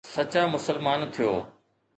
سچا مسلمان ٿيو